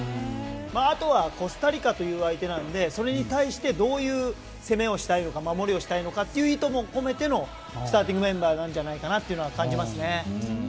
あとはコスタリカという相手なのでそれに対してどういう攻めをしたいのか守りをしたいのかという意図も込めてのスターティングメンバーなんじゃないかなと感じますね。